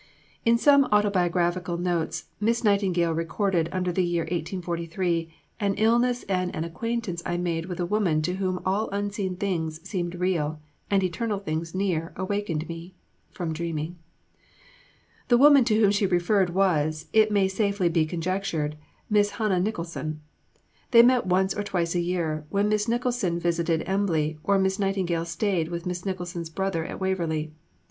In some autobiographical notes Miss Nightingale recorded under the year 1843 "an illness and an acquaintance I made with a woman to whom all unseen things seemed real, and eternal things near, awakened me" [from dreaming]. The woman to whom she referred was, it may safely be conjectured, Miss Hannah Nicholson. They met once or twice a year when Miss Nicholson visited Embley or Miss Nightingale stayed with Miss Nicholson's brother at Waverley.